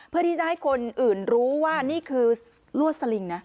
เพื่อที่จะให้คนอื่นรู้ว่านี่คือลวดสลิงนะ